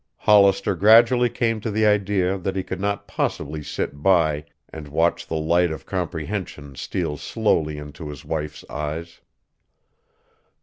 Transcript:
Hollister gradually came to the idea that he could not possibly sit by and watch the light of comprehension steal slowly into his wife's eyes.